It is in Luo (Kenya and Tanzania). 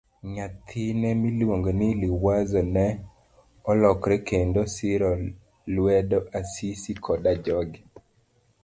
Nyathine miluongo ni Liwazo ne olokre kendo siro lwedo Asisi koda joge.